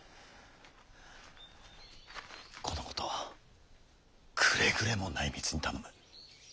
このことくれぐれも内密に頼む。